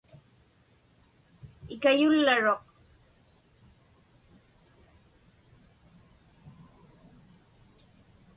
Ikayullaruq.